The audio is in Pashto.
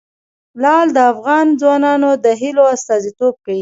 لعل د افغان ځوانانو د هیلو استازیتوب کوي.